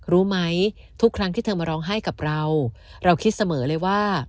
รู้ไหมทุกครั้งที่เธอมาร้องไห้กับเราเราคิดเสมอเลยว่า